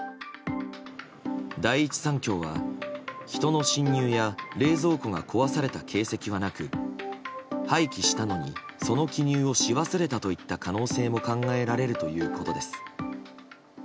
第一三共は人の侵入や冷蔵庫が壊された形跡がなく廃棄したのにその記入をし忘れたといった可能性も考えられるということです。